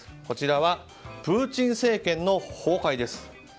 こちらはプーチン政権の崩壊です。